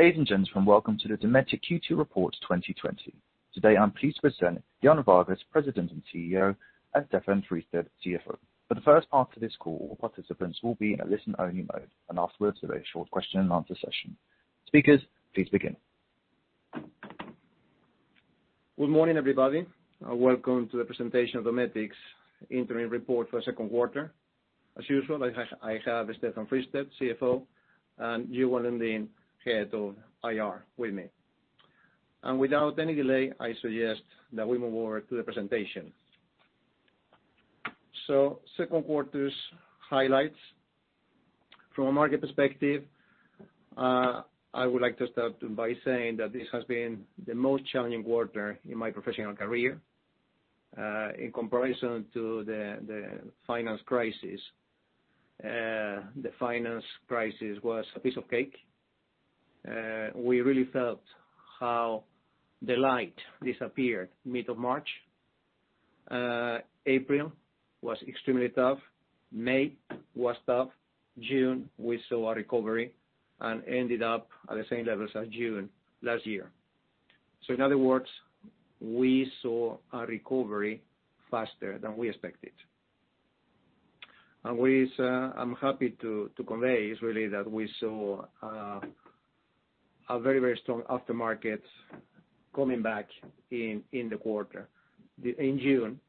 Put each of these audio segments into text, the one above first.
Ladies and gentlemen, welcome to the Dometic Q2 Report 2020. Today, I'm pleased to present Juan Vargues, President and CEO, and Stefan Fristedt, CFO. For the first part of this call, participants will be in a listen-only mode, and afterwards, there's a short question and answer session. Speakers, please begin. Good morning, everybody. Welcome to the presentation of Dometic's interim report for the second quarter. As usual, I have Stefan Fristedt, CFO, and Johan Lundin, Head of IR, with me. Without any delay, I suggest that we move over to the presentation. Second quarter's highlights. From a market perspective, I would like to start by saying that this has been the most challenging quarter in my professional career. In comparison to the finance crisis, the finance crisis was a piece of cake. We really felt how the light disappeared mid of March. April was extremely tough. May was tough. June, we saw a recovery, and ended up at the same level as June last year. In other words, we saw a recovery faster than we expected. I'm happy to convey is really that we saw a very strong aftermarket coming back in the quarter, in June,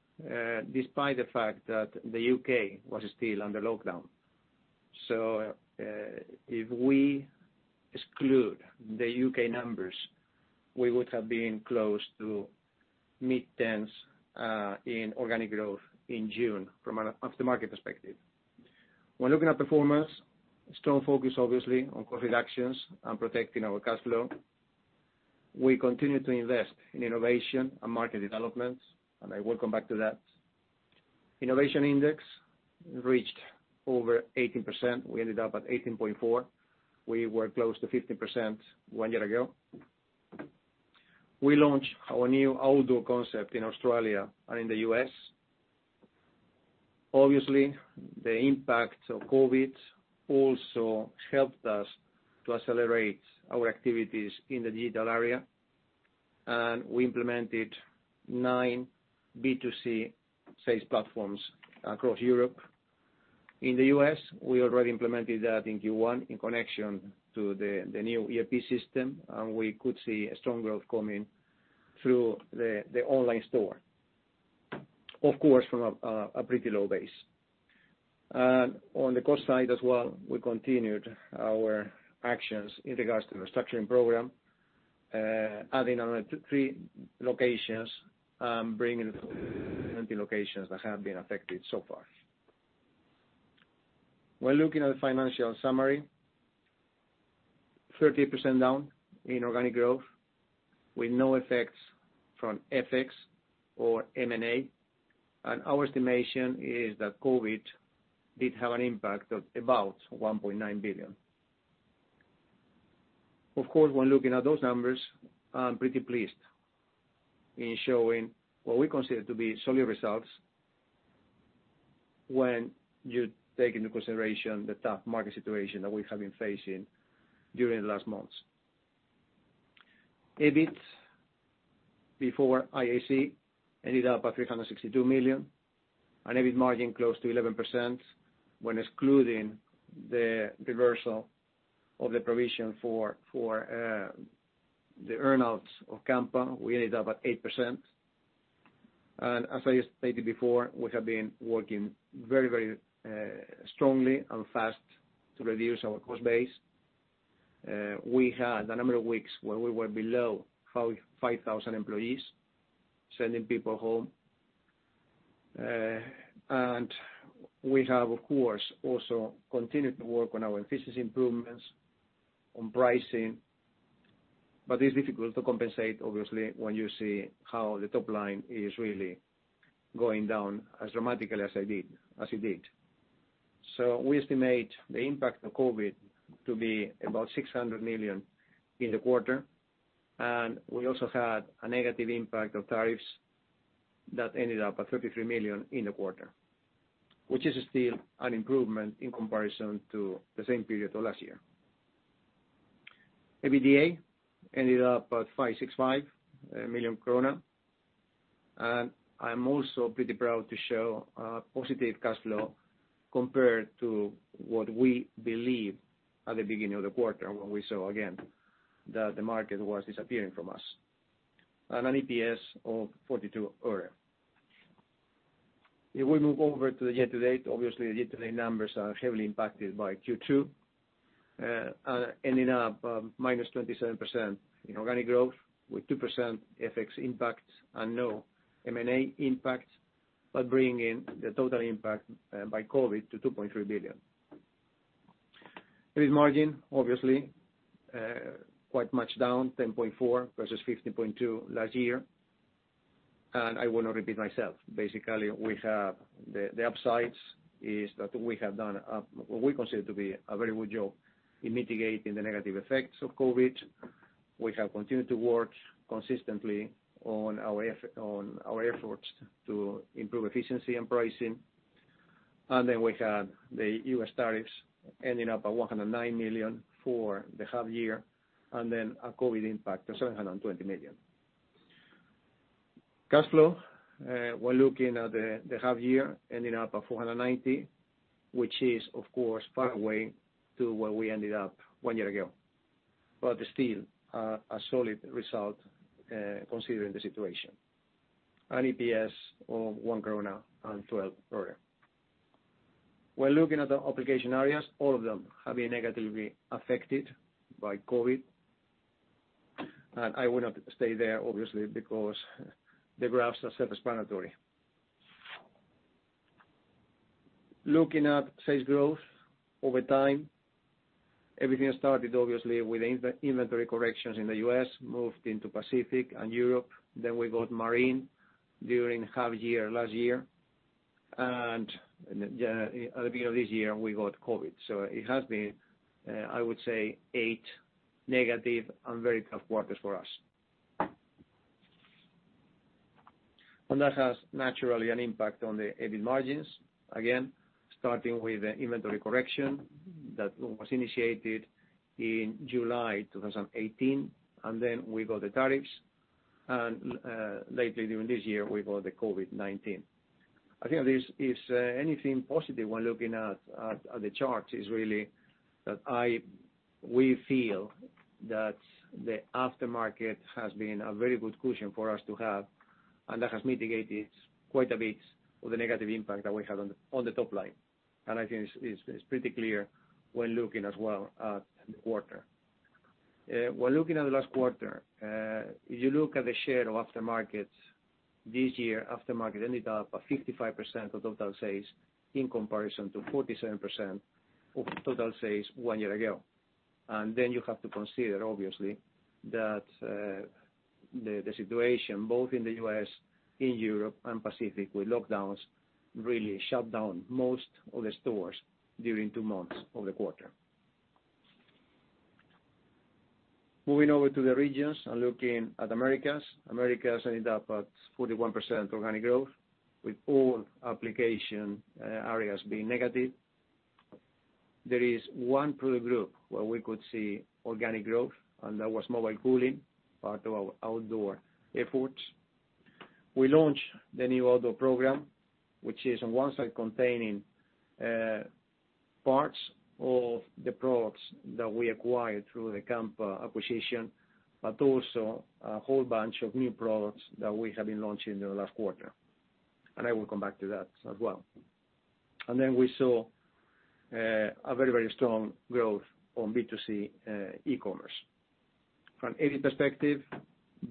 despite the fact that the U.K. was still under lockdown. If we exclude the U.K. numbers, we would have been close to mid-teens in organic growth in June from an aftermarket perspective. When looking at performance, strong focus, obviously, on cost reductions and protecting our cash flow. We continue to invest in innovation and market developments, and I will come back to that. Innovation index reached over 18%. We ended up at 18.4%. We were close to 15% one year ago. We launched our new outdoor concept in Australia and in the U.S. Obviously, the impact of COVID also helped us to accelerate our activities in the digital area. We implemented nine B2C sales platforms across Europe. In the U.S., we already implemented that in Q1 in connection to the new ERP system, we could see a strong growth coming through the online store. Of course, from a pretty low base. On the cost side as well, we continued our actions in regards to the restructuring program, adding another three locations, bringing locations that have been affected so far. When looking at the financial summary, 30% down in organic growth with no effects from FX or M&A, our estimation is that COVID did have an impact of about 1.9 billion. Of course, when looking at those numbers, I'm pretty pleased in showing what we consider to be solid results when you take into consideration the tough market situation that we have been facing during the last months. EBIT before IAC ended up at 362 million, EBIT margin close to 11%. When excluding the reversal of the provision for the earn-outs of Kampa, we ended up at 8%. As I stated before, we have been working very strongly and fast to reduce our cost base. We had a number of weeks where we were below 5,000 employees, sending people home. We have, of course, also continued to work on our efficiency improvements on pricing, but it's difficult to compensate, obviously, when you see how the top line is really going down as dramatically as it did. We estimate the impact of COVID to be about 600 million in the quarter, and we also had a negative impact of tariffs that ended up at 33 million in the quarter, which is still an improvement in comparison to the same period of last year. EBITDA ended up at 565 million krona. I'm also pretty proud to show a positive cash flow compared to what we believed at the beginning of the quarter, when we saw again that the market was disappearing from us. An EPS of SEK 0.42. If we move over to the year-to-date, obviously, the year-to-date numbers are heavily impacted by Q2, ending up minus 27% in organic growth, with 2% FX impact and no M&A impact, but bringing the total impact by COVID to 2.3 billion. EBIT margin, obviously, quite much down, 10.4% versus 15.2% last year. I will not repeat myself. Basically, we have the upsides is that we have done what we consider to be a very good job in mitigating the negative effects of COVID. We have continued to work consistently on our efforts to improve efficiency and pricing. We had the U.S. tariffs ending up at 109 million for the half year, and a COVID impact of 720 million. Cash flow, we're looking at the half year ending up at 490, which is, of course, far away to where we ended up one year ago. Still, a solid result, considering the situation. EPS of 1.12. We're looking at the application areas, all of them have been negatively affected by COVID. I will not stay there obviously, because the graphs are self-explanatory. Looking at sales growth over time. Everything started obviously with inventory corrections in the U.S., moved into Pacific and Europe, we got marine during half year last year. At the beginning of this year, we got COVID. It has been, I would say 8 negative and very tough quarters for us. That has naturally an impact on the EBIT margins. Again, starting with the inventory correction that was initiated in July 2018. Then we got the tariffs, and lately during this year, we got the COVID-19. I think if anything positive when looking at the charts, is really that we feel that the aftermarket has been a very good cushion for us to have, and that has mitigated quite a bit of the negative impact that we had on the top line. I think it's pretty clear when looking as well at the quarter. When looking at the last quarter, if you look at the share of aftermarkets this year, aftermarket ended up at 55% of total sales in comparison to 47% of total sales one year ago. You have to consider obviously, that the situation, both in the U.S., in Europe, and Pacific with lockdowns, really shut down most of the stores during 2 months of the quarter. Moving over to the regions and looking at Americas. Americas ended up at 41% organic growth, with all application areas being negative. There is one product group where we could see organic growth, and that was mobile cooling, part of our outdoor efforts. We launched the new outdoor program, which is on one side containing parts of the products that we acquired through the Kampa acquisition, but also a whole bunch of new products that we have been launching in the last quarter, and I will come back to that as well. We saw a very strong growth on B2C e-commerce. From EBIT perspective,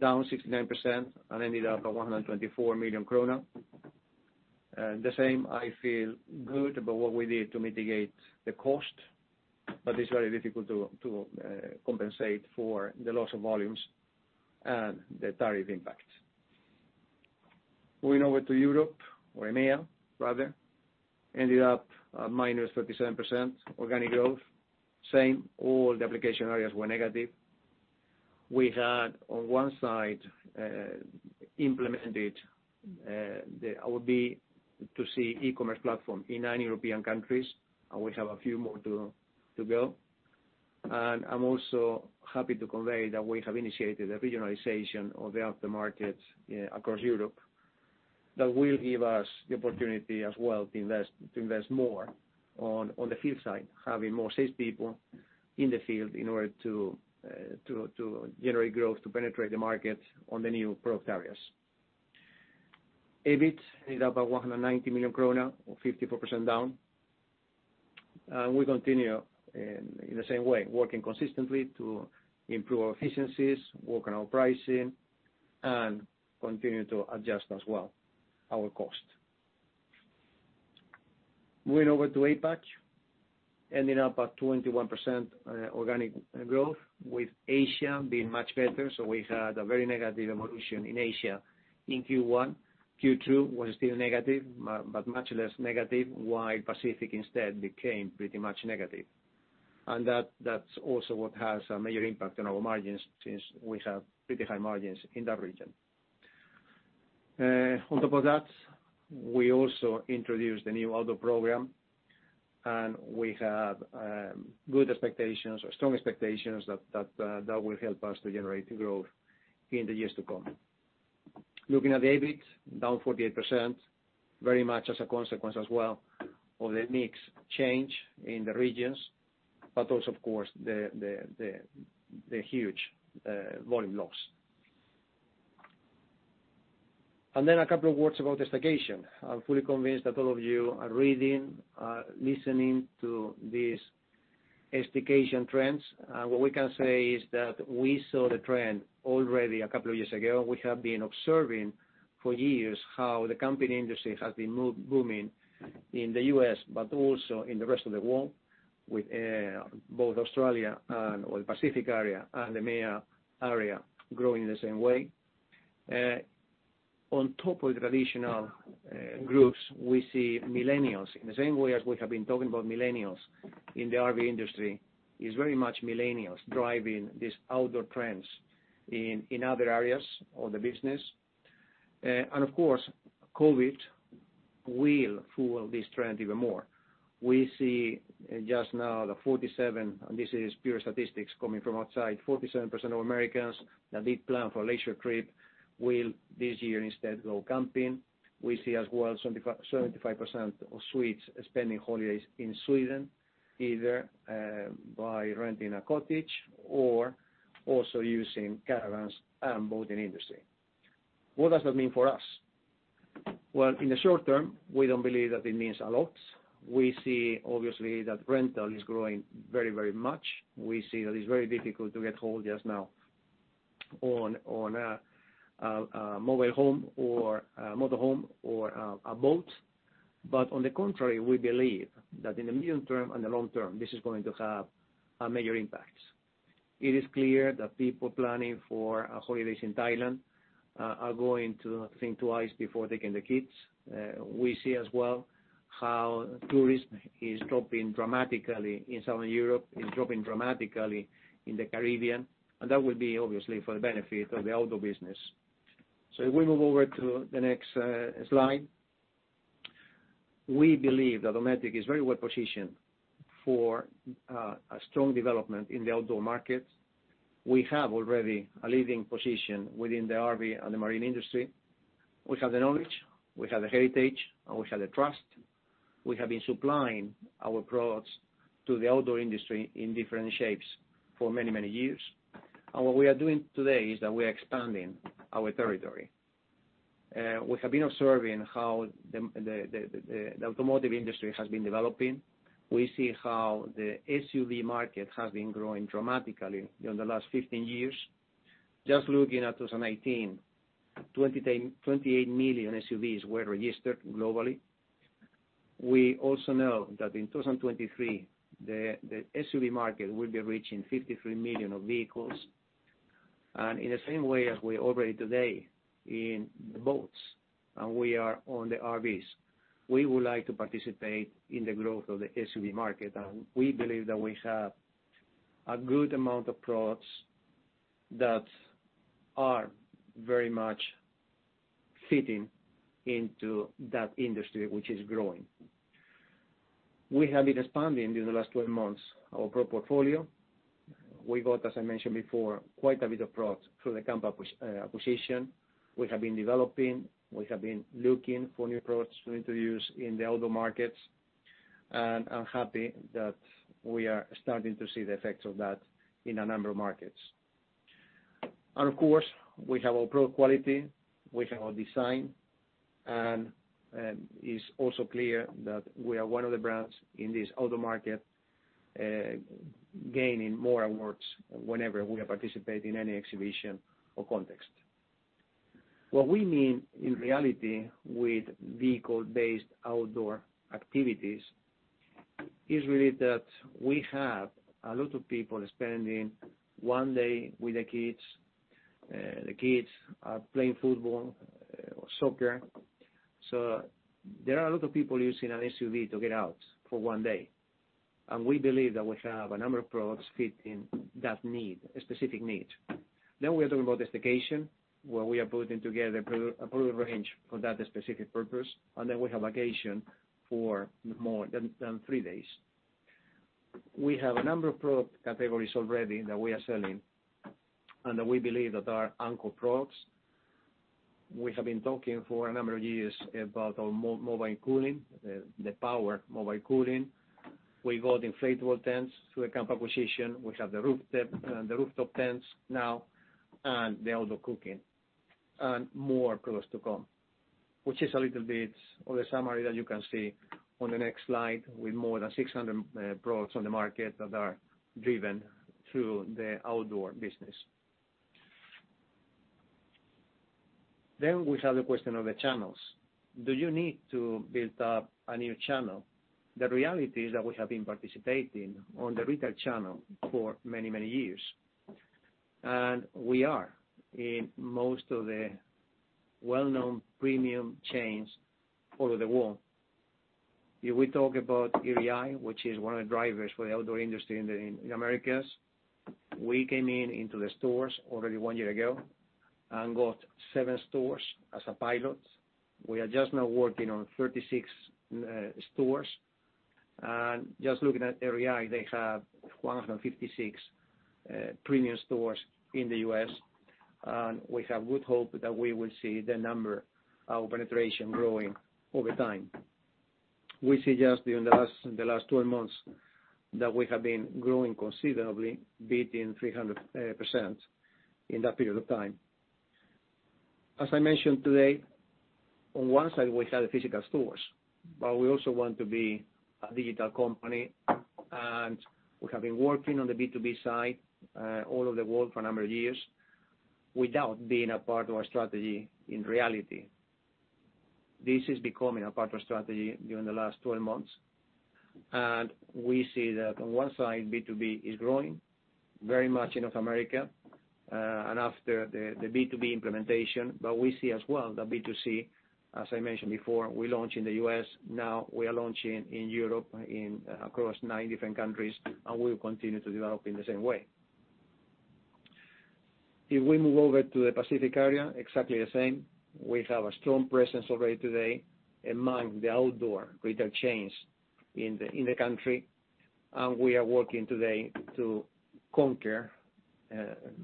down 69% and ended up at 124 million krona. The same, I feel good about what we did to mitigate the cost, but it's very difficult to compensate for the loss of volumes and the tariff impact. Moving over to Europe or EMEA, rather. Ended up at -37% organic growth. Same, all the application areas were negative. We had on one side, implemented the B2C e-commerce platform in nine European countries, and we have a few more to go. I'm also happy to convey that we have initiated a regionalization of the aftermarkets across Europe that will give us the opportunity as well to invest more on the field side, having more sales people in the field in order to generate growth, to penetrate the market on the new product areas. EBIT ended up at 190 million krona or 54% down. We continue in the same way, working consistently to improve our efficiencies, work on our pricing, and continue to adjust as well our cost. Moving over to APAC. Ending up at 21% organic growth, with Asia being much better. We had a very negative evolution in Asia in Q1. Q2 was still negative, but much less negative, while Pacific instead became pretty much negative. That's also what has a major impact on our margins, since we have pretty high margins in that region. On top of that, we also introduced the new outdoor program, and we have good expectations or strong expectations that that will help us to generate growth in the years to come. Looking at the EBIT, down 48%, very much as a consequence as well of the mix change in the regions, but also, of course, the huge volume loss. A couple of words about staycation. I'm fully convinced that all of you are reading, are listening to these staycation trends. What we can say is that we saw the trend already a couple of years ago. We have been observing for years how the camping industry has been booming in the U.S., but also in the rest of the world, with both Pacific area and the EMEA area growing in the same way. On top of the traditional groups, we see millennials. In the same way as we have been talking about millennials in the RV industry, it's very much millennials driving these outdoor trends in other areas of the business. Of course, COVID will fuel this trend even more. We see just now the 47, and this is pure statistics coming from outside, 47% of Americans that did plan for leisure trip will, this year instead, go camping. We see as well, 75% of Swedes spending holidays in Sweden, either by renting a cottage or also using caravans and boating industry. What does that mean for us? Well, in the short term, we don't believe that it means a lot. We see obviously that rental is growing very much. We see that it's very difficult to get hold just now on a mobile home or a motor home or a boat. On the contrary, we believe that in the medium term and the long term, this is going to have a major impact. It is clear that people planning for holidays in Thailand are going to think twice before taking the kids. We see as well how tourism is dropping dramatically in Southern Europe, is dropping dramatically in the Caribbean, and that will be obviously for the benefit of the outdoor business. If we move over to the next slide. We believe that Dometic is very well-positioned for a strong development in the outdoor market. We have already a leading position within the RV and the marine industry. We have the knowledge, we have the heritage, and we have the trust. We have been supplying our products to the outdoor industry in different shapes for many years. What we are doing today is that we are expanding our territory. We have been observing how the automotive industry has been developing. We see how the SUV market has been growing dramatically during the last 15 years. Just looking at 2018, 28 million SUVs were registered globally. We also know that in 2023, the SUV market will be reaching 53 million vehicles. In the same way as we operate today in the boats and we are on the RVs, we would like to participate in the growth of the SUV market. We believe that we have a good amount of products that are very much fitting into that industry, which is growing. We have been expanding, during the last 12 months, our product portfolio. We got, as I mentioned before, quite a bit of product through the Kampa acquisition. We have been developing, we have been looking for new products to introduce in the outdoor markets, and I'm happy that we are starting to see the effects of that in a number of markets. Of course, we have our product quality, we have our design, it's also clear that we are one of the brands in this outdoor market, gaining more awards whenever we participate in any exhibition or context. What we mean in reality with vehicle-based outdoor activities is really that we have a lot of people spending one day with the kids. The kids are playing football or soccer. There are a lot of people using an SUV to get out for one day. We believe that we have a number of products fitting that need, a specific need. We are talking about the staycation, where we are putting together a product range for that specific purpose. We have vacation for more than three days. We have a number of product categories already that we are selling and that we believe that are anchor products. We have been talking for a number of years about our mobile cooling, the power mobile cooling. We got inflatable tents through a Kampa acquisition. We have the rooftop tents now, the outdoor cooking, more products to come. Which is a little bit of a summary that you can see on the next slide with more than 600 products on the market that are driven through the outdoor business. We have the question of the channels. Do you need to build up a new channel? The reality is that we have been participating on the retail channel for many years. We are in most of the well-known premium chains all over the world. If we talk about REI, which is one of the drivers for the outdoor industry in the Americas, we came into the stores already one year ago and got seven stores as a pilot. We are just now working on 36 stores. Just looking at REI, they have 156 premium stores in the U.S., and we have good hope that we will see the number, our penetration growing over time. We see just during the last 12 months that we have been growing considerably, beating 300% in that period of time. As I mentioned today, on one side, we have the physical stores, but we also want to be a digital company. We have been working on the B2B side all over the world for a number of years without being a part of our strategy in reality. This is becoming a part of strategy during the last 12 months, and we see that on one side, B2B is growing very much in North America, and after the B2B implementation. We see as well that B2C, as I mentioned before, we launch in the U.S., now we are launching in Europe across nine different countries, and we will continue to develop in the same way. If we move over to the Pacific area, exactly the same. We have a strong presence already today among the outdoor retail chains in the country, and we are working today to conquer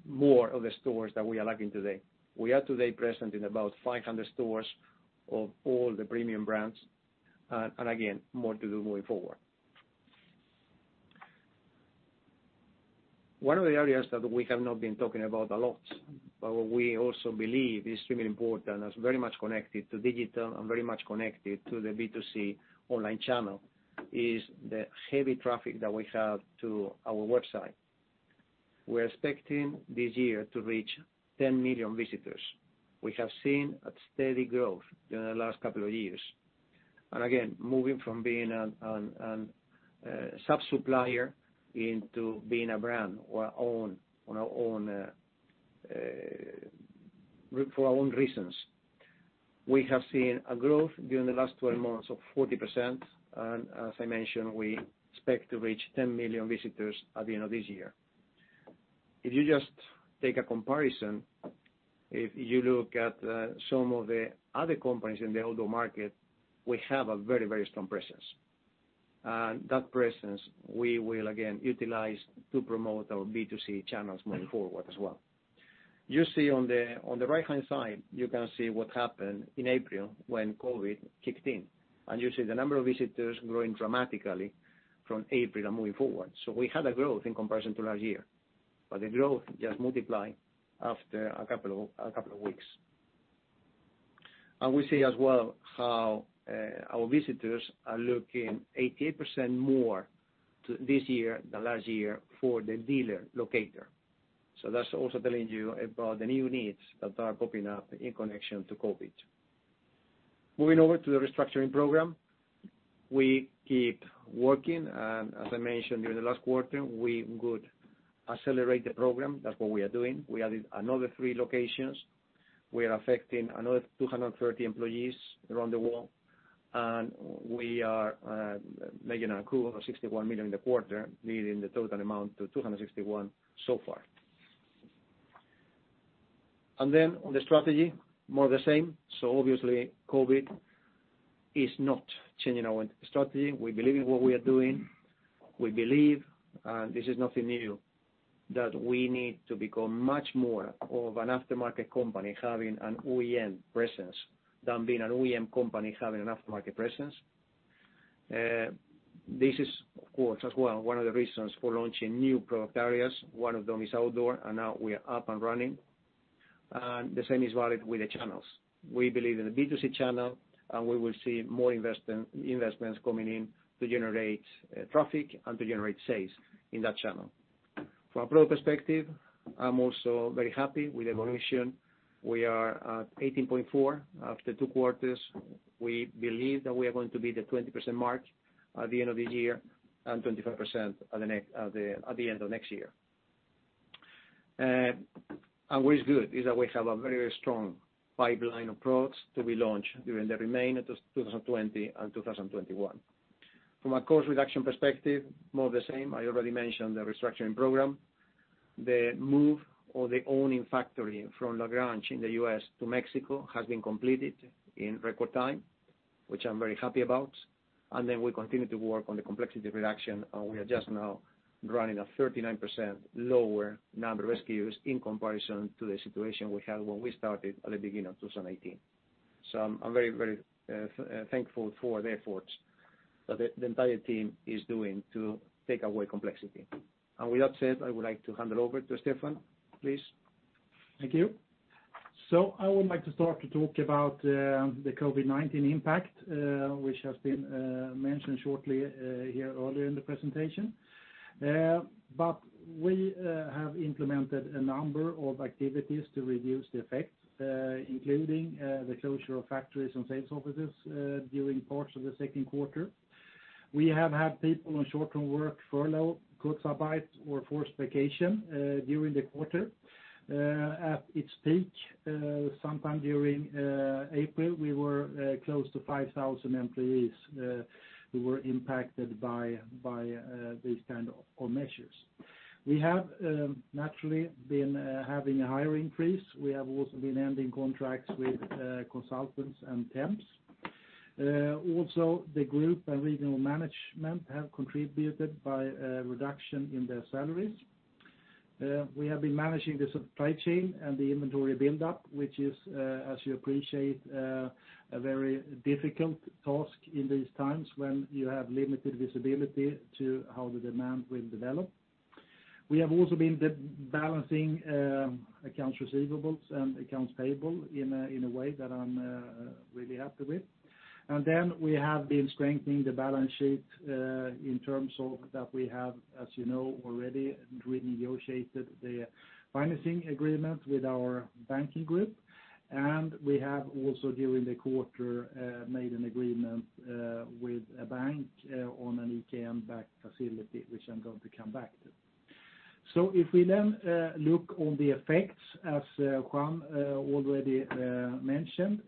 more of the stores that we are lacking today. We are today present in about 500 stores of all the premium brands. Again, more to do moving forward. One of the areas that we have not been talking about a lot, but what we also believe is extremely important and is very much connected to digital and very much connected to the B2C online channel, is the heavy traffic that we have to our website. We're expecting this year to reach 10 million visitors. We have seen a steady growth during the last couple of years. Again, moving from being a sub-supplier into being a brand on our own, for our own reasons. We have seen a growth during the last 12 months of 40%, and as I mentioned, we expect to reach 10 million visitors at the end of this year. If you just take a comparison, if you look at some of the other companies in the outdoor market, we have a very strong presence. That presence we will again utilize to promote our B2C channels moving forward as well. You see on the right-hand side, you can see what happened in April when COVID kicked in, and you see the number of visitors growing dramatically from April and moving forward. We had a growth in comparison to last year, but the growth just multiplied after a couple of weeks. We see as well how our visitors are looking 88% more to this year than last year for the dealer locator. That's also telling you about the new needs that are popping up in connection to COVID. Moving over to the restructuring program. We keep working, and as I mentioned during the last quarter, we would accelerate the program. That's what we are doing. We added another three locations. We are affecting another 230 employees around the world, and we are making a cool 61 million in the quarter, leading the total amount to 261 so far. On the strategy, more of the same. Obviously, COVID is not changing our strategy. We believe in what we are doing. We believe, and this is nothing new, that we need to become much more of an aftermarket company having an OEM presence than being an OEM company having an aftermarket presence. This is, of course, as well, one of the reasons for launching new product areas. One of them is outdoor, and now we are up and running. The same is valid with the channels. We believe in the B2C channel, and we will see more investments coming in to generate traffic and to generate sales in that channel. From a product perspective, I'm also very happy with the evolution. We are at 18.4 after two quarters. We believe that we are going to be at the 20% mark at the end of the year and 25% at the end of next year. What is good is that we have a very strong pipeline of products to be launched during the remainder of 2020 and 2021. From a cost reduction perspective, more of the same. I already mentioned the restructuring program. The move or the awning factory from LaGrange in the U.S. to Mexico has been completed in record time, which I'm very happy about. Then we continue to work on the complexity reduction, and we are just now running a 39% lower number of SKUs in comparison to the situation we had when we started at the beginning of 2018. I'm very thankful for the efforts that the entire team is doing to take away complexity. With that said, I would like to hand it over to Stefan, please. Thank you. I would like to start to talk about the COVID-19 impact, which has been mentioned shortly here earlier in the presentation. We have implemented a number of activities to reduce the effect, including the closure of factories and sales offices during parts of the second quarter. We have had people on short-term work, furlough, Kurzarbeit, or forced vacation during the quarter. At its peak, sometime during April, we were close to 5,000 employees who were impacted by these kind of measures. We have naturally been having a hiring freeze. We have also been ending contracts with consultants and temps. Also, the group and regional management have contributed by a reduction in their salaries. We have been managing the supply chain and the inventory buildup, which is, as you appreciate, a very difficult task in these times when you have limited visibility to how the demand will develop. We have also been balancing accounts receivables and accounts payable in a way that I'm really happy with. We have been strengthening the balance sheet in terms of that we have, as you know already, renegotiated the financing agreement with our banking group. We have also, during the quarter, made an agreement with a bank on an EKN-backed facility, which I'm going to come back to. If we look on the effects, as Juan already mentioned,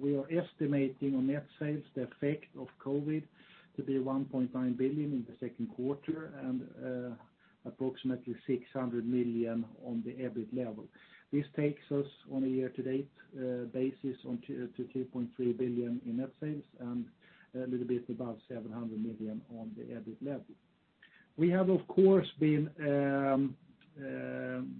we are estimating on net sales the effect of COVID to be 1.9 billion in the second quarter, and approximately 600 million on the EBIT level. This takes us on a year to date basis to 2.3 billion in net sales, a little bit above 700 million on the EBIT level. We have, of course, been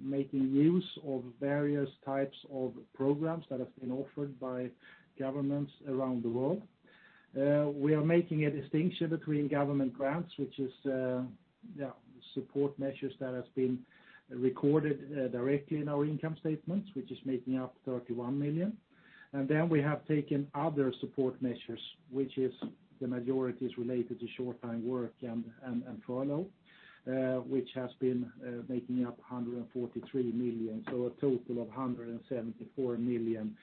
making use of various types of programs that have been offered by governments around the world. We are making a distinction between government grants, which is support measures that has been recorded directly in our income statements, which is making up 31 million. We have taken other support measures, which is the majority is related to short time work and furlough which has been making up 143 million. A total of 174 million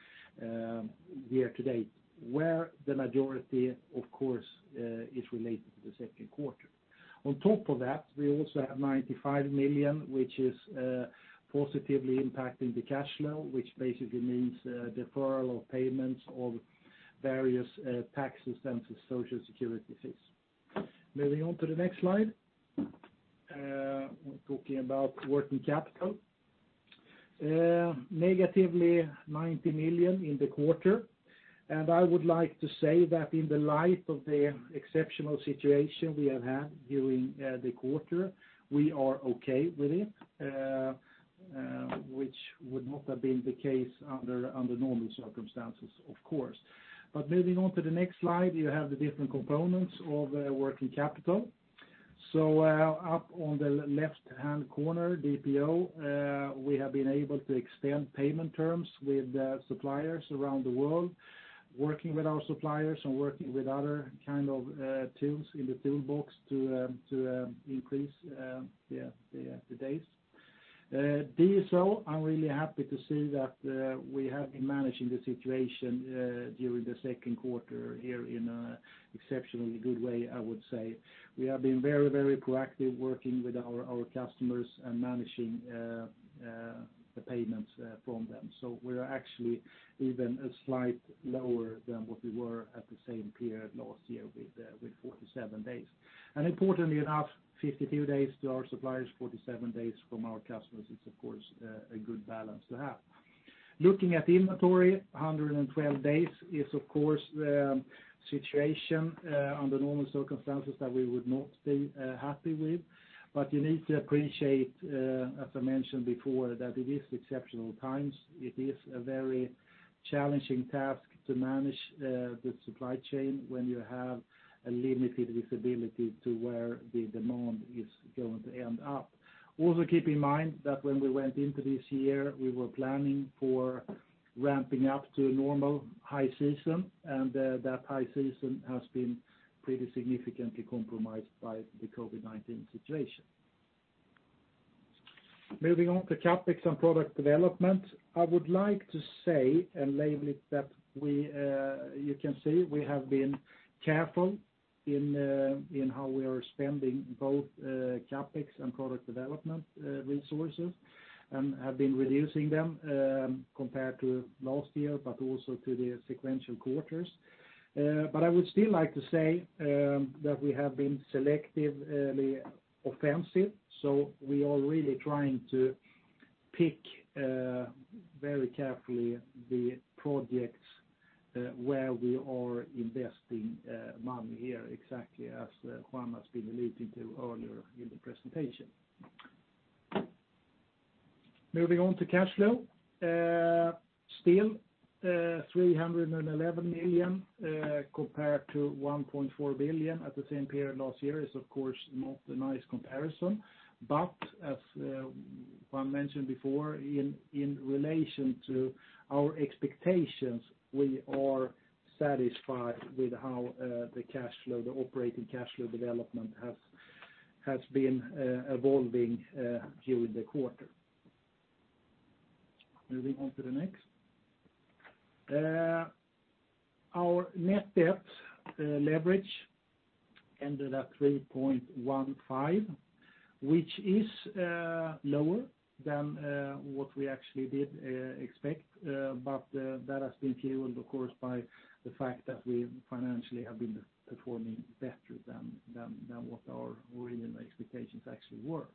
year to date, where the majority, of course, is related to the second quarter. On top of that, we also have 95 million, which is positively impacting the cash flow, which basically means deferral of payments of various taxes and social security fees. Moving on to the next slide. We're talking about working capital. Negatively 90 million in the quarter. I would like to say that in the light of the exceptional situation we have had during the quarter, we are okay with it, which would not have been the case under normal circumstances, of course. Moving on to the next slide, you have the different components of working capital. Up on the left-hand corner, DPO, we have been able to extend payment terms with suppliers around the world, working with our suppliers and working with other tools in the toolbox to increase the days. DSO, I'm really happy to see that we have been managing the situation during the second quarter here in a exceptionally good way, I would say. We have been very proactive working with our customers and managing the payments from them. We're actually even a slight lower than what we were at the same period last year with 47 days. Importantly enough, 52 days to our suppliers, 47 days from our customers, it's of course a good balance to have. Looking at inventory, 112 days is of course a situation under normal circumstances that we would not be happy with, but you need to appreciate as I mentioned before, that it is exceptional times. It is a very challenging task to manage the supply chain when you have a limited visibility to where the demand is going to end up. Keep in mind that when we went into this year, we were planning for ramping up to a normal high season, and that high season has been pretty significantly compromised by the COVID-19 situation. Moving on to CapEx and product development. I would like to say, and label it that you can see, we have been careful in how we are spending both CapEx and product development resources and have been reducing them compared to last year, but also to the sequential quarters. I would still like to say that we have been selectively offensive. We are really trying to pick very carefully the projects where we are investing money here, exactly as Juan has been alluding to earlier in the presentation. Moving on to cash flow. Still 311 million compared to 1.4 billion at the same period last year is of course not a nice comparison. As Juan mentioned before, in relation to our expectations, we are satisfied with how the operating cash flow development has been evolving during the quarter. Moving on to the next. Our net debt leverage ended at 3.15, which is lower than what we actually did expect. That has been fueled, of course, by the fact that we financially have been performing better than what our original expectations actually were.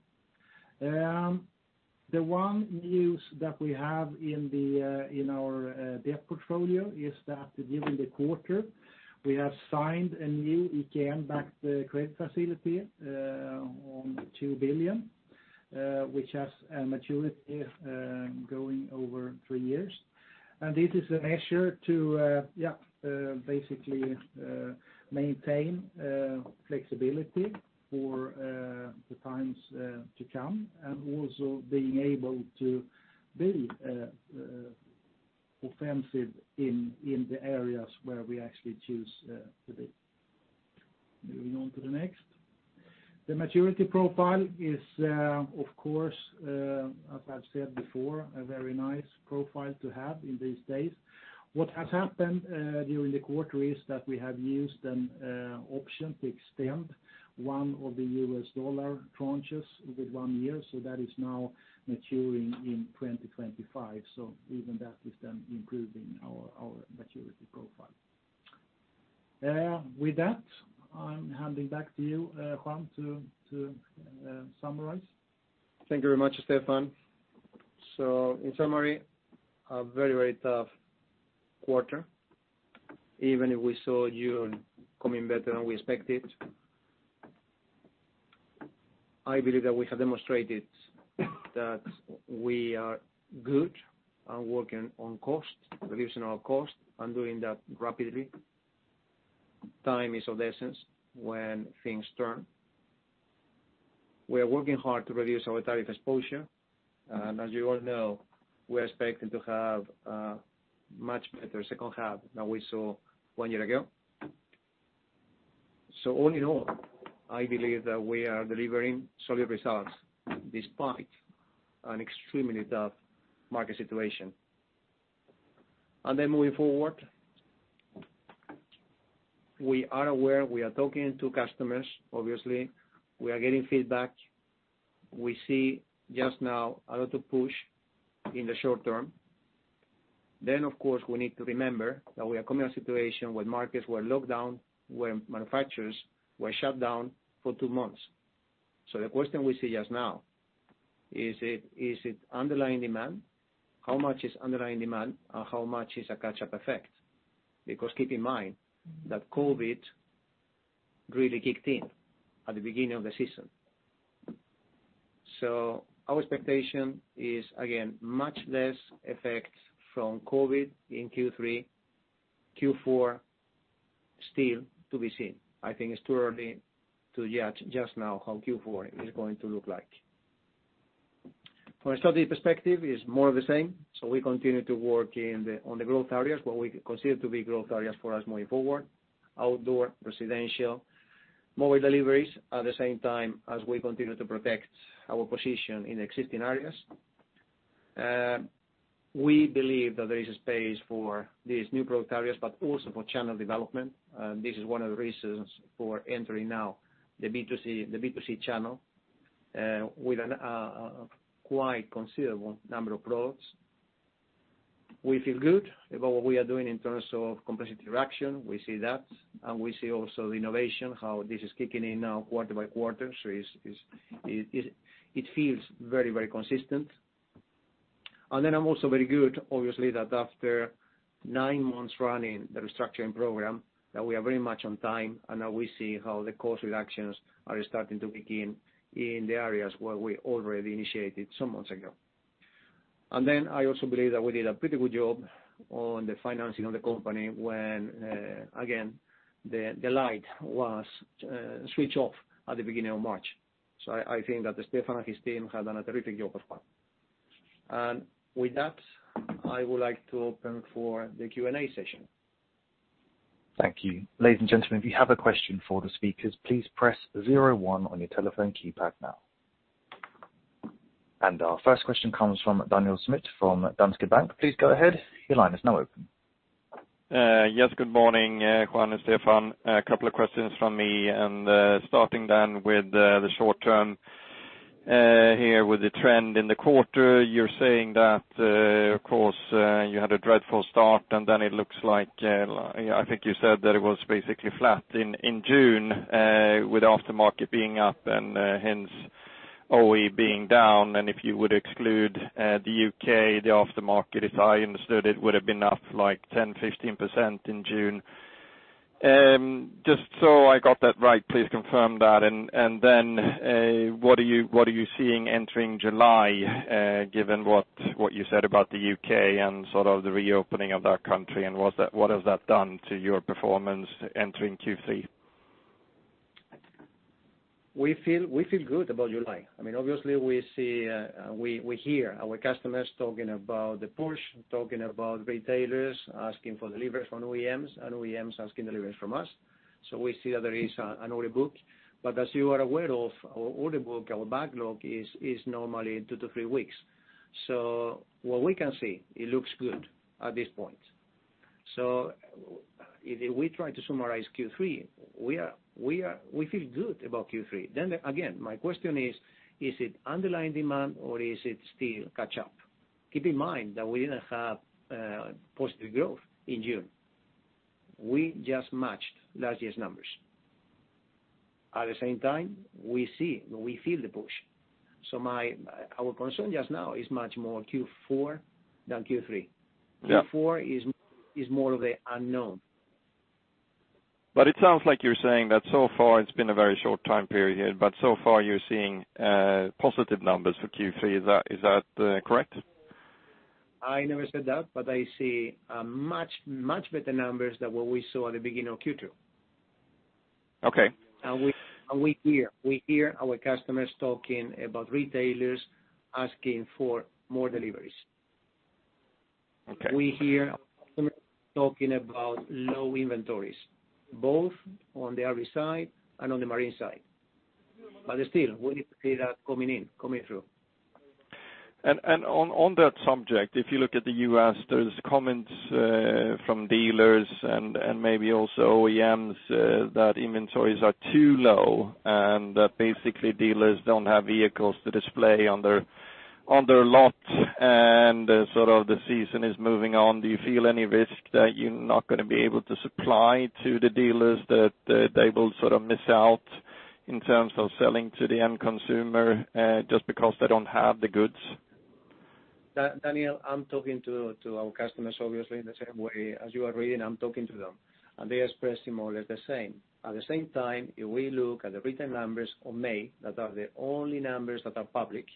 The one news that we have in our debt portfolio is that during the quarter, we have signed a new EKN-backed credit facility on 2 billion which has a maturity going over 3 years. This is a measure to basically maintain flexibility for the times to come, and also being able to be offensive in the areas where we actually choose to be. Moving on to the next. The maturity profile is, of course as I've said before, a very nice profile to have in these days. What has happened during the quarter is that we have used an option to extend one of the US dollar tranches with one year, so that is now maturing in 2025. Even that is then improving our maturity profile. With that, I'm handing back to you, Juan, to summarize. Thank you very much, Stefan. In summary, a very tough quarter, even if we saw June coming better than we expected. I believe that we have demonstrated that we are good and working on reducing our cost and doing that rapidly. Time is of the essence when things turn. We are working hard to reduce our tariff exposure. As you all know, we are expecting to have a much better second half than we saw one year ago. All in all, I believe that we are delivering solid results despite an extremely tough market situation. Moving forward, we are aware, we are talking to customers, obviously. We are getting feedback. We see just now a lot of push in the short term. Of course, we need to remember that we are coming out of a situation where markets were locked down, where manufacturers were shut down for two months. The question we see just now, is it underlying demand? How much is underlying demand and how much is a catch-up effect? Keep in mind that COVID really kicked in at the beginning of the season. Our expectation is, again, much less effect from COVID in Q3. Q4, still to be seen. I think it's too early to judge just now how Q4 is going to look like. From a strategy perspective, it's more of the same. We continue to work on the growth areas, what we consider to be growth areas for us moving forward, outdoor, residential, more deliveries, at the same time as we continue to protect our position in existing areas. We believe that there is a space for these new product areas, but also for channel development. This is one of the reasons for entering now the B2C channel, with a quite considerable number of products. We feel good about what we are doing in terms of complexity reduction. We see that. We see also the innovation, how this is kicking in now quarter by quarter. It feels very consistent. I'm also very good, obviously, that after nine months running the restructuring program, that we are very much on time, and now we see how the cost reductions are starting to kick in the areas where we already initiated some months ago. I also believe that we did a pretty good job on the financing of the company when, again, the light was switched off at the beginning of March. I think that Stefan and his team have done a terrific job thus far. With that, I would like to open for the Q&A session. Thank you. Ladies and gentlemen, if you have a question for the speakers, please press 01 on your telephone keypad now. Our first question comes from Daniel Schmidt from Danske Bank. Please go ahead. Your line is now open. Yes, good morning, Juan and Stefan. A couple of questions from me. Starting then with the short term here with the trend in the quarter. You're saying that, of course, you had a dreadful start, and then it looks like, I think you said that it was basically flat in June with aftermarket being up and hence OE being down. If you would exclude the U.K., the aftermarket, as I understood it, would have been up like 10%-15% in June. Just so I got that right, please confirm that. What are you seeing entering July, given what you said about the U.K. and sort of the reopening of that country, and what has that done to your performance entering Q3? We feel good about July. We hear our customers talking about the push, talking about retailers asking for deliveries from OEMs, and OEMs asking deliveries from us. We see that there is an order book. As you are aware of, our order book, our backlog is normally two to three weeks. What we can see, it looks good at this point. If we try to summarize Q3, we feel good about Q3. Again, my question is it underlying demand or is it still catch-up? Keep in mind that we didn't have positive growth in June. We just matched last year's numbers. At the same time, we feel the push. Our concern just now is much more Q4 than Q3. Yeah. Q4 is more of the unknown. It sounds like you're saying that so far it's been a very short time period, but so far you're seeing positive numbers for Q3. Is that correct? I never said that, but I see much better numbers than what we saw at the beginning of Q2. Okay. We hear our customers talking about retailers asking for more deliveries. Okay. We hear our customers talking about low inventories, both on the RV side and on the marine side. Still, we need to see that coming in, coming through. On that subject, if you look at the U.S., there's comments from dealers and maybe also OEMs, that inventories are too low and that basically dealers don't have vehicles to display on their lot and the season is moving on. Do you feel any risk that you're not going to be able to supply to the dealers, that they will miss out in terms of selling to the end consumer just because they don't have the goods? Daniel, I'm talking to our customers obviously in the same way as you are reading, I'm talking to them. They are expressing more or less the same. At the same time, if we look at the retail numbers of May, that are the only numbers that are public,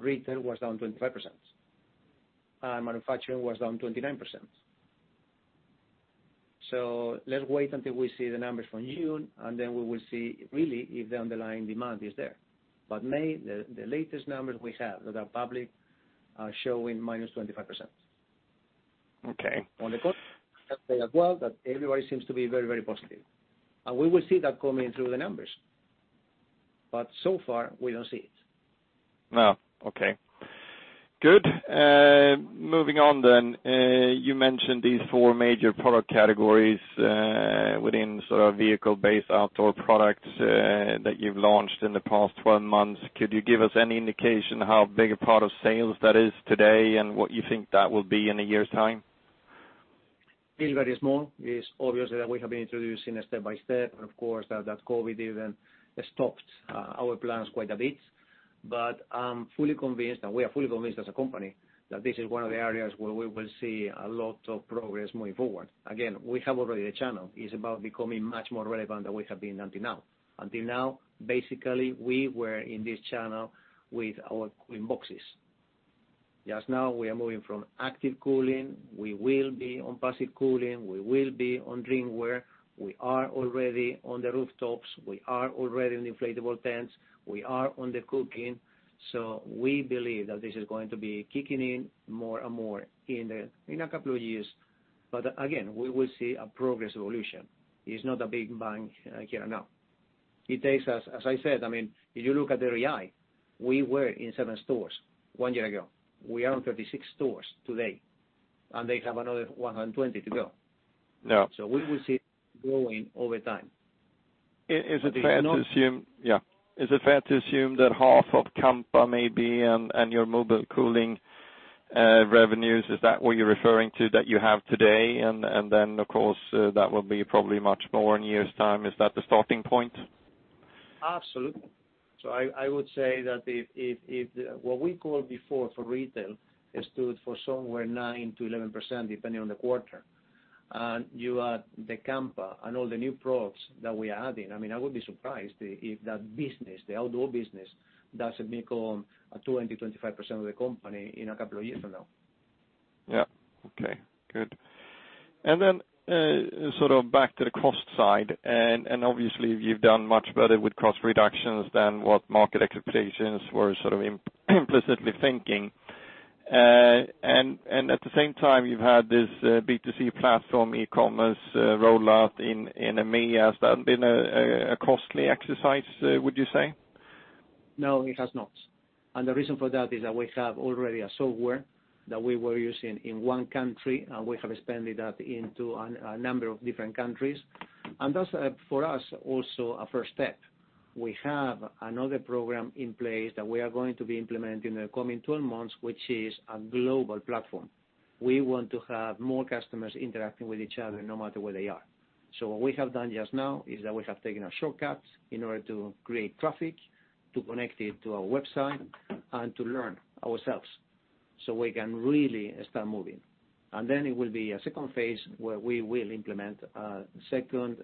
retail was down 25%. Manufacturing was down 29%. Let's wait until we see the numbers from June, and then we will see really if the underlying demand is there. May, the latest numbers we have that are public, are showing minus 25%. Okay. On the cost, I have to say as well that everybody seems to be very positive. We will see that coming through the numbers. So far, we don't see it. No. Okay. Good. Moving on. You mentioned these four major product categories within vehicle-based outdoor products that you've launched in the past 12 months. Could you give us any indication how big a part of sales that is today and what you think that will be in a year's time? Still very small. It is obvious that we have been introducing step by step, of course, that COVID even stopped our plans quite a bit. I'm fully convinced, and we are fully convinced as a company, that this is one of the areas where we will see a lot of progress moving forward. Again, we have already a channel. It's about becoming much more relevant than we have been until now. Until now, basically, we were in this channel with our cooling boxes. Just now we are moving from active cooling, we will be on passive cooling, we will be on drinkware, we are already on the rooftops, we are already on inflatable tents, we are on the cooking. We believe that this is going to be kicking in more and more in a couple of years. Again, we will see a progress evolution. It's not a big bang here and now. It takes us, as I said, if you look at REI, we were in seven stores one year ago. We are on 36 stores today. They have another 120 to go. Yeah. We will see it growing over time. Is it fair to assume that half of Kampa maybe and your mobile cooling revenues, is that what you're referring to that you have today? Of course, that will be probably much more in a year's time. Is that the starting point? Absolutely. I would say that if what we call before for retail stood for somewhere 9%-11%, depending on the quarter, and you add the Kampa and all the new products that we are adding, I would be surprised if that business, the outdoor business, doesn't make up 20%-25% of the company in a couple of years from now. Yeah. Okay, good. Back to the cost side, obviously you've done much better with cost reductions than what market expectations were implicitly thinking. At the same time, you've had this B2C platform, e-commerce rollout in EMEA. Has that been a costly exercise, would you say? No, it has not. The reason for that is that we have already a software that we were using in one country, and we have expanded that into a number of different countries. That's, for us, also a first step. We have another program in place that we are going to be implementing in the coming 12 months, which is a global platform. We want to have more customers interacting with each other no matter where they are. What we have done just now is that we have taken a shortcut in order to create traffic, to connect it to our website, and to learn ourselves so we can really start moving. Then it will be a second phase where we will implement a second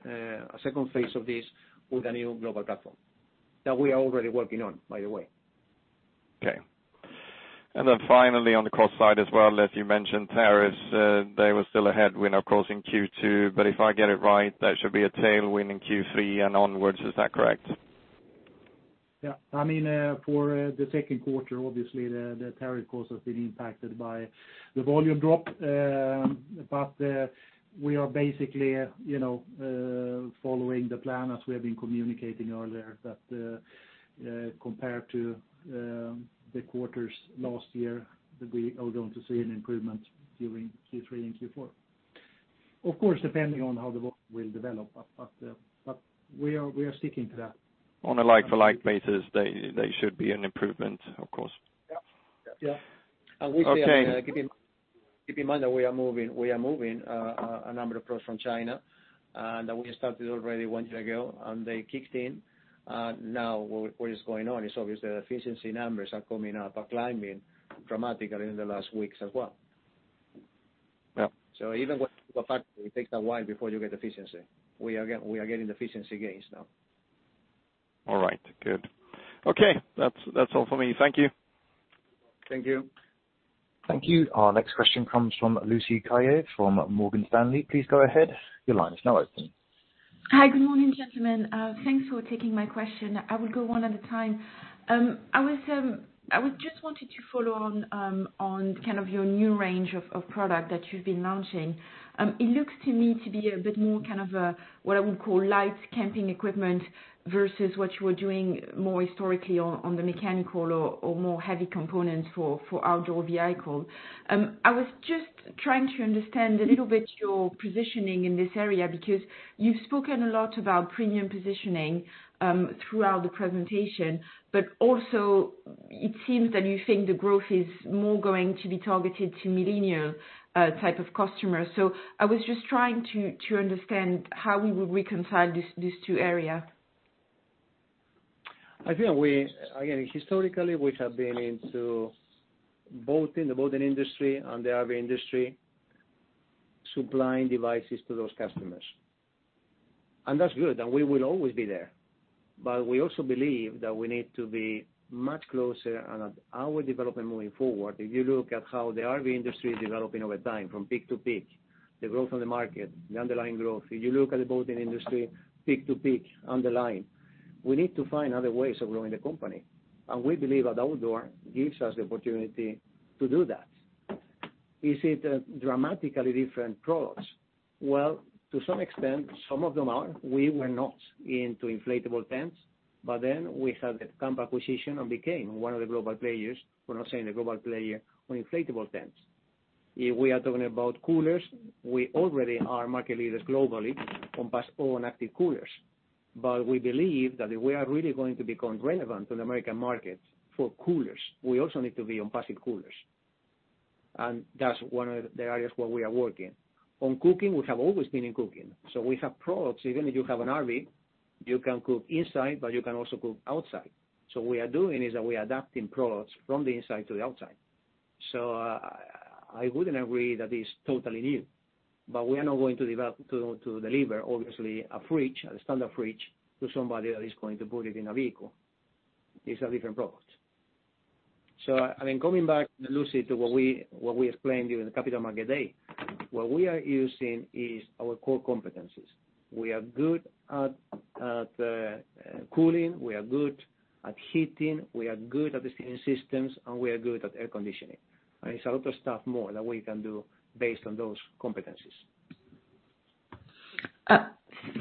phase of this with a new global platform that we are already working on, by the way. Finally on the cost side as well, Leif, you mentioned tariffs, they were still a headwind, of course, in Q2, but if I get it right, that should be a tailwind in Q3 and onwards, is that correct? Yeah. For the second quarter, obviously the tariff cost has been impacted by the volume drop. We are basically following the plan as we have been communicating earlier that compared to the quarters last year, that we are going to see an improvement during Q3 and Q4. Of course, depending on how the world will develop, but we are sticking to that. On a like for like basis, they should be an improvement, of course. Yeah. Yeah. Keep in mind that we are moving a number of products from China, that we started already one year ago, and they kicked in. Now what is going on is obviously the efficiency numbers are coming up, are climbing dramatically in the last weeks as well. Yeah. Even with the factory, it takes a while before you get efficiency. We are getting efficiency gains now. All right. Good. Okay, that's all from me. Thank you. Thank you. Thank you. Our next question comes from Lucie Carrier from Morgan Stanley. Please go ahead. Your line is now open. Hi. Good morning, gentlemen. Thanks for taking my question. I will go one at a time. I just wanted to follow on your new range of product that you've been launching. It looks to me to be a bit more what I would call light camping equipment versus what you were doing more historically on the mechanical or more heavy components for outdoor vehicle. I was just trying to understand a little bit your positioning in this area, because you've spoken a lot about premium positioning, throughout the presentation, but also it seems that you think the growth is more going to be targeted to millennial type of customers. I was just trying to understand how we would reconcile these two areas. I think, historically, we have been into both in the boating industry and the RV industry, supplying devices to those customers. That's good, and we will always be there. We also believe that we need to be much closer and our development moving forward, if you look at how the RV industry is developing over time, from peak to peak, the growth on the market, the underlying growth, if you look at the boating industry, peak to peak, underlying, we need to find other ways of growing the company. We believe that outdoor gives us the opportunity to do that. Is it a dramatically different products? Well, to some extent, some of them are. We were not into inflatable tents, but then we had the Kampa acquisition and became one of the global players, we're now saying the global player on inflatable tents. We are talking about coolers, we already are market leaders globally on passive and active coolers. We believe that if we are really going to become relevant in the American market for coolers, we also need to be on passive coolers. That's one of the areas where we are working. On cooking, we have always been in cooking. We have products, even if you have an RV, you can cook inside, but you can also cook outside. We are doing is that we are adapting products from the inside to the outside. I wouldn't agree that it's totally new, but we are not going to deliver, obviously, a fridge, a standard fridge, to somebody that is going to put it in a vehicle. These are different products. Coming back, Lucie, to what we explained during the Capital Markets Day, what we are using is our core competencies. We are good at cooling, we are good at heating, we are good at the steering systems, and we are good at air conditioning. It's a lot of stuff more that we can do based on those competencies.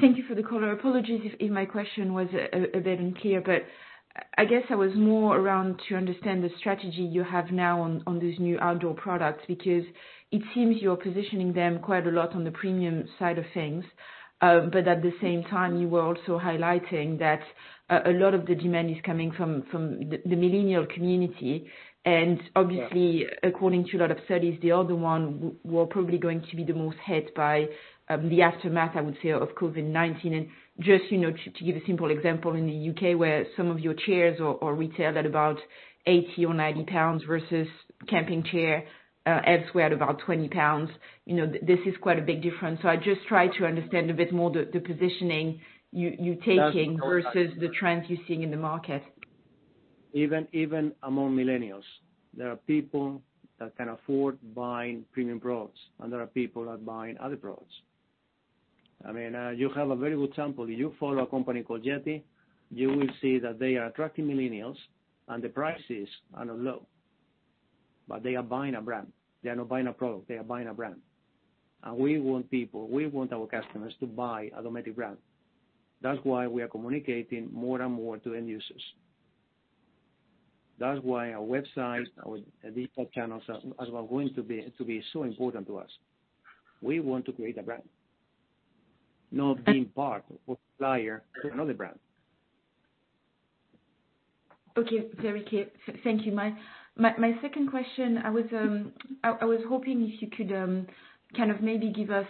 Thank you for the color. Apologies if my question was a bit unclear, but I guess I was more around to understand the strategy you have now on these new outdoor products, because it seems you're positioning them quite a lot on the premium side of things. At the same time, you were also highlighting that a lot of the demand is coming from the millennial community. Obviously, according to a lot of studies, the older one were probably going to be the most hit by the aftermath, I would say, of COVID-19. Just to give a simple example, in the U.K., where some of your chairs are retailed at about 80 or 90 pounds versus camping chair, elsewhere at about 20 pounds, this is quite a big difference. I just try to understand a bit more the positioning you're taking versus the trends you're seeing in the market. Even among millennials, there are people that can afford buying premium products, and there are people that buying other products. You have a very good example. If you follow a company called YETI, you will see that they are attracting millennials, and the prices are not low. They are buying a brand. They are not buying a product, they are buying a brand. We want people, we want our customers to buy a Dometic brand. That's why we are communicating more and more to end users. That's why our websites, our default channels, as well, are going to be so important to us. We want to create a brand, not being part or supplier to another brand. Okay. Very clear. Thank you. My second question, I was hoping if you could maybe give us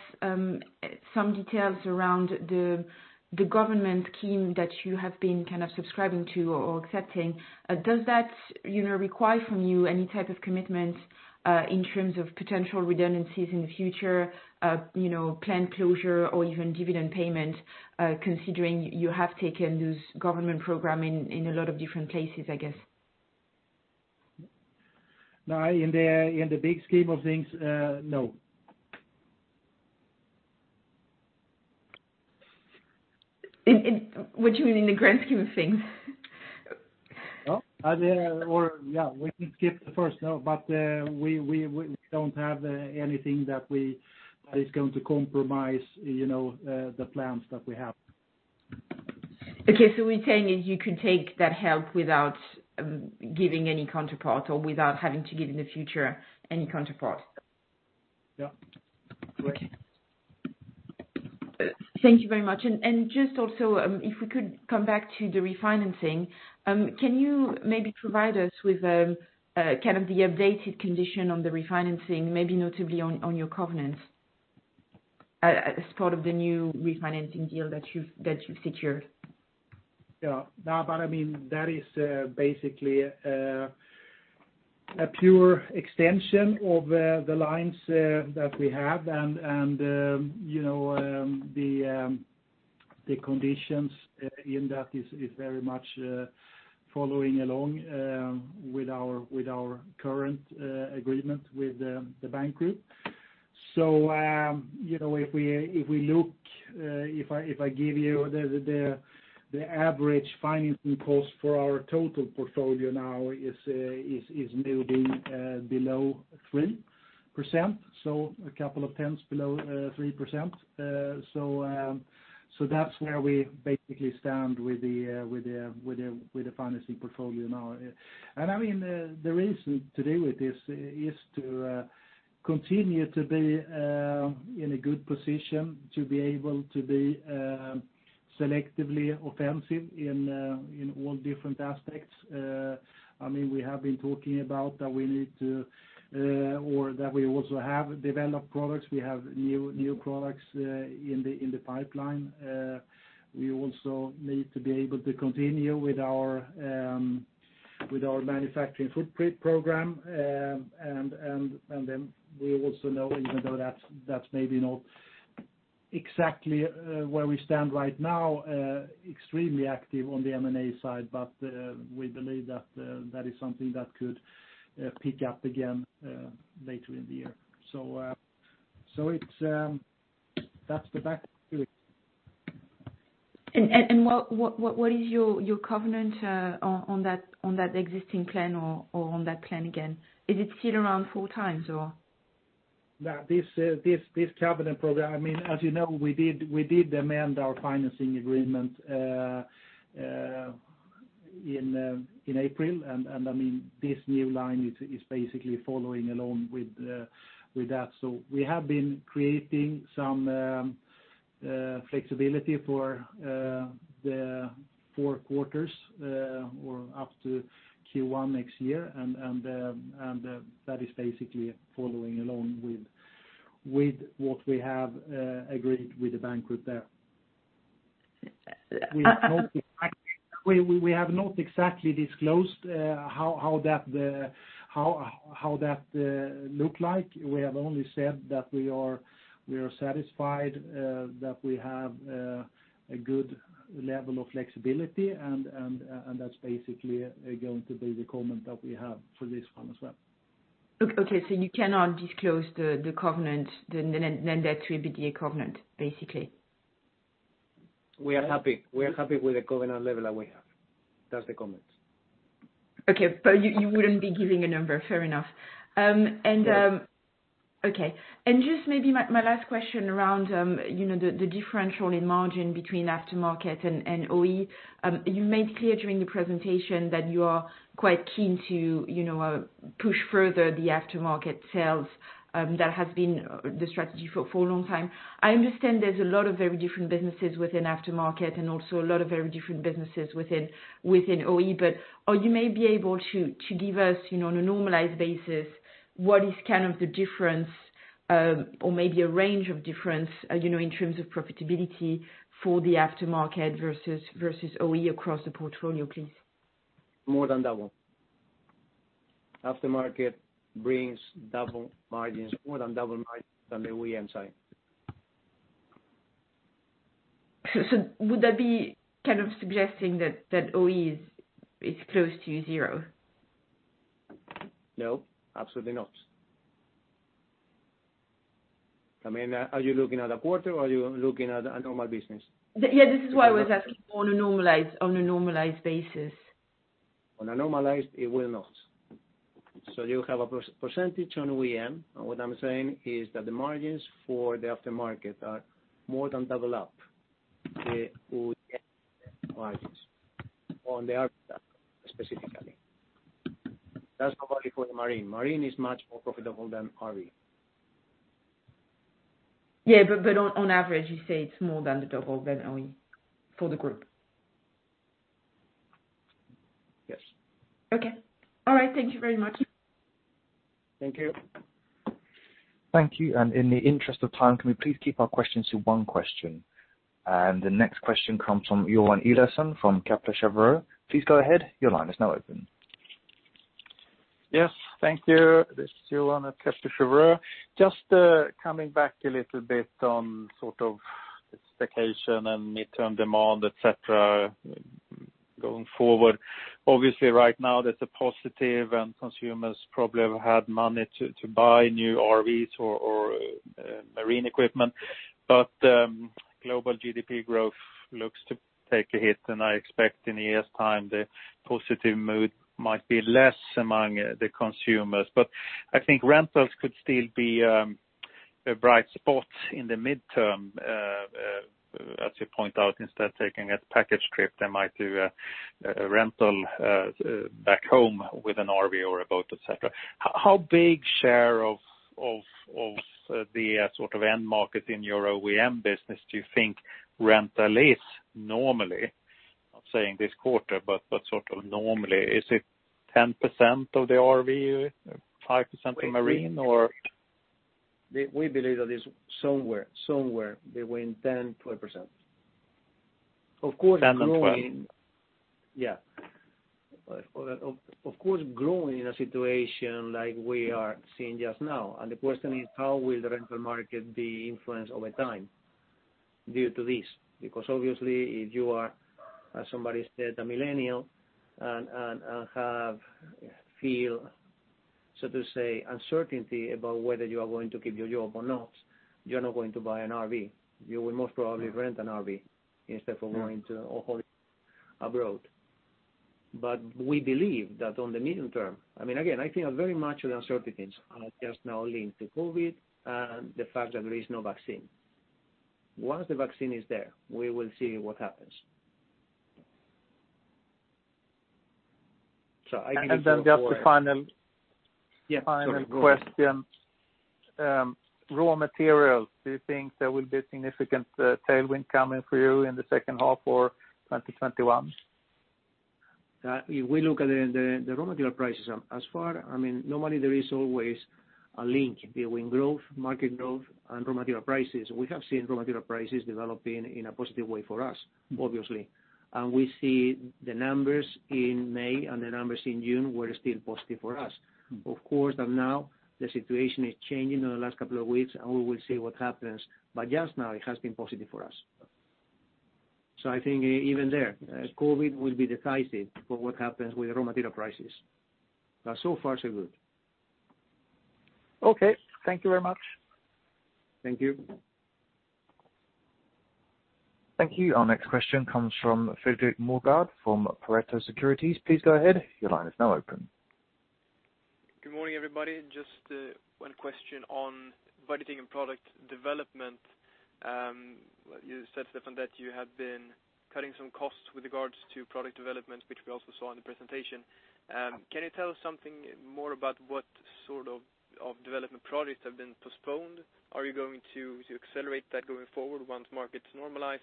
some details around the government scheme that you have been subscribing to or accepting. Does that require from you any type of commitment, in terms of potential redundancies in the future, plant closure or even dividend payment, considering you have taken this government program in a lot of different places, I guess? No, in the big scheme of things, no. What do you mean in the grand scheme of things? Yeah, we can skip the first, but we don't have anything that is going to compromise the plans that we have. Okay. What you're saying is you could take that help without giving any counterpart or without having to give in the future any counterpart? Yeah. Correct. Okay. Thank you very much. Just also, if we could come back to the refinancing, can you maybe provide us with the updated condition on the refinancing, maybe notably on your covenants as part of the new refinancing deal that you've secured? That is basically a pure extension of the lines that we have and the conditions in that is very much following along with our current agreement with the bank group. If I give you the average financing cost for our total portfolio now is moving below 3%, a couple of tenths below 3%. That's where we basically stand with the financing portfolio now. The reason to do with this is to continue to be in a good position to be able to be selectively offensive in all different aspects. We have been talking about that we also have developed products, we have new products in the pipeline. We also need to be able to continue with our manufacturing footprint program. We also know, even though that's maybe not exactly where we stand right now extremely active on the M&A side, but we believe that is something that could pick up again later in the year. That's the back to it. What is your covenant on that existing plan or on that plan again? Is it still around 4x or? This covenant program, as you know, we did amend our financing agreement in April. This new line is basically following along with that. We have been creating some flexibility for the 4 quarters or up to Q1 next year. That is basically following along with what we have agreed with the bank group there. We have not exactly disclosed how that look like. We have only said that we are satisfied that we have a good level of flexibility and that's basically going to be the comment that we have for this one as well. Okay. You cannot disclose the covenant, the net debt to EBITDA covenant, basically. We are happy with the covenant level that we have. That's the comment. Okay. You wouldn't be giving a number. Fair enough. Correct. Okay. Just maybe my last question around the differential in margin between aftermarket and OE. You made clear during the presentation that you are quite keen to push further the aftermarket sales that has been the strategy for a long time. I understand there's a lot of very different businesses within aftermarket and also a lot of very different businesses within OE, but are you maybe able to give us, on a normalized basis, what is the difference or maybe a range of difference in terms of profitability for the aftermarket versus OE across the portfolio, please? More than double. Aftermarket brings more than double margins than the OE side. Would that be suggesting that OEM is close to zero? No, absolutely not. Are you looking at a quarter or are you looking at a normal business? Yeah, this is why I was asking on a normalized basis. On a normalized, it will not. You have a percentage on OEM, and what I'm saying is that the margins for the aftermarket are more than double up the OE margins on the RV specifically. That's probably for the marine. Marine is much more profitable than RV. Yeah, on average, you say it's more than double than OEM for the group? Yes. Okay. All right. Thank you very much. Thank you. Thank you. In the interest of time, can we please keep our questions to one question? The next question comes from Johan Eliason from Kepler Cheuvreux. Please go ahead. Your line is now open. Yes. Thank you. This is Johan at Kepler Cheuvreux. Just coming back a little bit on expectation and midterm demand, et cetera, going forward. Obviously, right now there's a positive and consumers probably have had money to buy new RVs or marine equipment. Global GDP growth looks to take a hit, and I expect in a year's time the positive mood might be less among the consumers. I think rentals could still be a bright spot in the midterm. As you point out, instead of taking a package trip, they might do a rental back home with an RV or a boat, et cetera. How big share of the end market in your OEM business do you think rental is normally? Not saying this quarter, but sort of normally. Is it 10% of the RV, 5% of marine, or? We believe that is somewhere between 10%-12%. Of course growing. 10 and 12? Yeah. Of course growing in a situation like we are seeing just now. The question is how will the rental market be influenced over time? Due to this. Obviously, if you are, as somebody said, a millennial and feel, so to say, uncertainty about whether you are going to keep your job or not, you're not going to buy an RV. You will most probably rent an RV instead of going to a holiday abroad. We believe that on the medium term Again, I think very much the uncertainties are just now linked to COVID and the fact that there is no vaccine. Once the vaccine is there, we will see what happens. Just a final question. Yeah. Sorry, go ahead. Raw materials. Do you think there will be a significant tailwind coming for you in the second half or 2021? If we look at it, the raw material prices, normally there is always a link between growth, market growth, and raw material prices. We have seen raw material prices developing in a positive way for us, obviously. We see the numbers in May and the numbers in June were still positive for us. Of course, now the situation is changing in the last couple of weeks, and we will see what happens. Just now it has been positive for us. I think even there, COVID will be decisive for what happens with raw material prices. So far, so good. Okay. Thank you very much. Thank you. Thank you. Our next question comes from Fredrik Molgaard from Pareto Securities. Please go ahead. Your line is now open. Good morning, everybody. Just one question on budgeting and product development. You said, Stefan, that you have been cutting some costs with regards to product development, which we also saw in the presentation. Can you tell us something more about what sort of development projects have been postponed? Are you going to accelerate that going forward once markets normalize?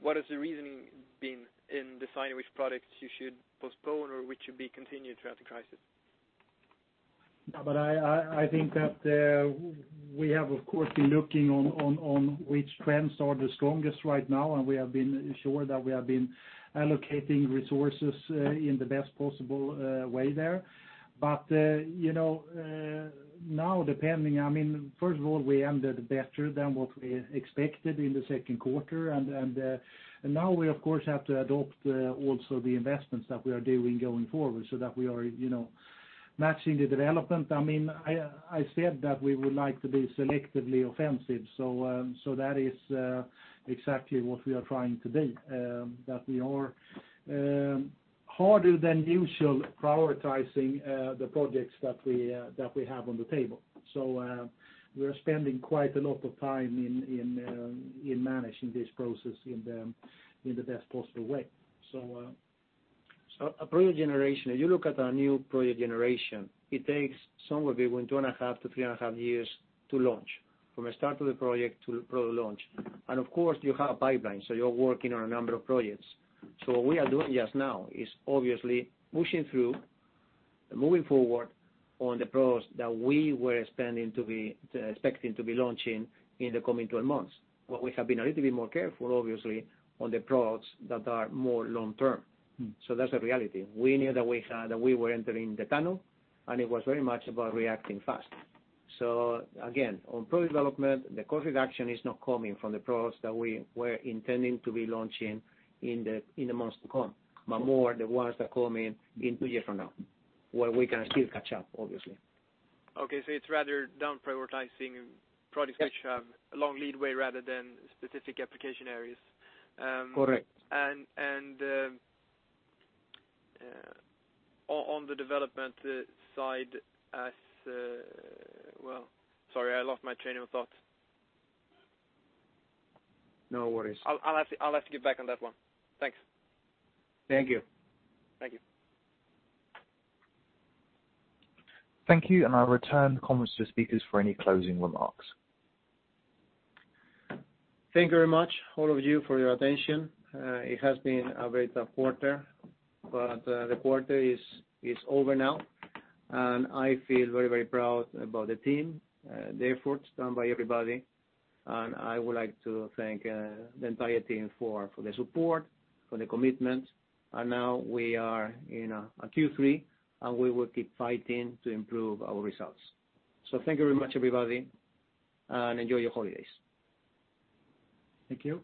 What has the reasoning been in deciding which products you should postpone or which should be continued throughout the crisis? I think that we have, of course, been looking on which trends are the strongest right now, and we have been sure that we have been allocating resources in the best possible way there. Now depending First of all, we ended better than what we expected in the second quarter, and now we, of course, have to adopt also the investments that we are doing going forward so that we are matching the development. I said that we would like to be selectively offensive. That is exactly what we are trying to be, that we are harder than usual prioritizing the projects that we have on the table. We're spending quite a lot of time in managing this process in the best possible way. A project generation, if you look at our new project generation, it takes somewhere between two and a half to three and a half years to launch, from the start of the project to product launch. Of course, you have a pipeline, so you're working on a number of projects. What we are doing just now is obviously pushing through, moving forward on the products that we were expecting to be launching in the coming 12 months. We have been a little bit more careful, obviously, on the products that are more long-term. That's a reality. We knew that we were entering the tunnel, and it was very much about reacting fast. Again, on product development, the cost reduction is not coming from the products that we were intending to be launching in the months to come, but more the ones that come in two years from now, where we can still catch up, obviously. Okay. It's rather down prioritizing products which have a long lead time rather than specific application areas. Correct. On the development side. Well, sorry, I lost my train of thought. No worries. I'll have to get back on that one. Thanks. Thank you. Thank you. Thank you. I'll return the conference to the speakers for any closing remarks. Thank you very much, all of you, for your attention. It has been a very tough quarter, but the quarter is over now, and I feel very proud about the team, the efforts done by everybody. I would like to thank the entire team for the support, for the commitment. Now we are in Q3, and we will keep fighting to improve our results. Thank you very much, everybody, and enjoy your holidays. Thank you.